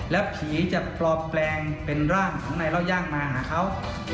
แล้วผีจะปลอมแปลงเป็นร่างของนายเล่าย่างมาหาเขา